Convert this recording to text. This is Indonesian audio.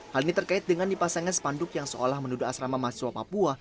hal ini terkait dengan dipasangnya sepanduk yang seolah menuduh asrama mahasiswa papua